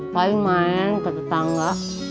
paling main ke tetangga